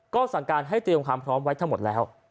ก็สั่งการให้เตรียมความพร้อมไว้ทั้งหมดแล้ว